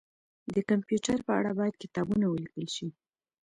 د کمپيوټر په اړه باید کتابونه ولیکل شي